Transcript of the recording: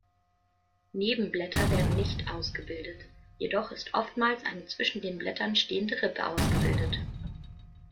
Nebenblätter werden nicht ausgebildet, jedoch ist oftmals eine zwischen den Blättern stehende Rippe ausgebildet.